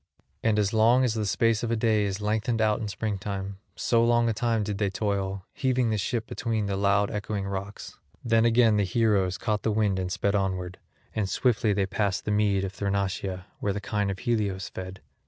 And as long as the space of a day is lengthened out in springtime, so long a time did they toil, heaving the ship between the loud echoing rocks; then again the heroes caught the wind and sped onward; and swiftly they passed the mead of Thrinacia, where the kine of Helios fed.